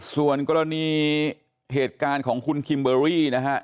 ส่วนกรณีเหตุการณ์ของคุณคิมเบอรี่นะฮะ